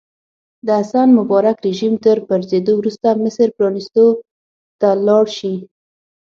د حسن مبارک رژیم تر پرځېدو وروسته مصر پرانیستو ته لاړ شي.